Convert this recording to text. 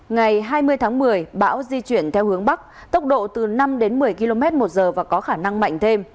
ngày hai mươi tháng một mươi bão di chuyển theo hướng bắc tốc độ từ năm đến một mươi km một giờ và có khả năng mạnh thêm